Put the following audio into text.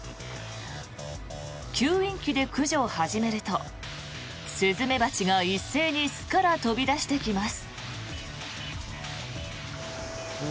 吸引機で駆除を始めるとスズメバチが一斉に巣から飛び出してきます。